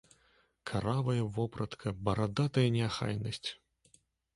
Каравая вопратка, барадатая неахайнасць!